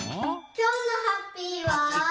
きょうのハッピーは。